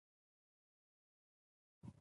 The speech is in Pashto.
کیف ښاریې د خپل مرکز په توګه وټاکه.